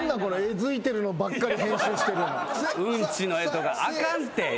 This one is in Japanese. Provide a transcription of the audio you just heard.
うんちの絵とかあかんて。